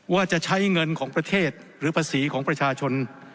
ว่าจะใช้เงินของประเทศหรือภาษีของประชาชน